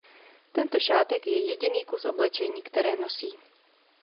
Tento šátek je jediný kus oblečení které nosí.